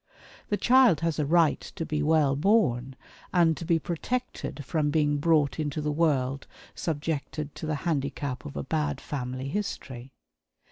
The child has a right to be well born, and to be protected from being brought into the world subjected to the handicap of a "bad family history."